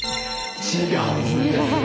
違うんですね。